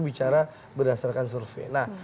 bicara berdasarkan survei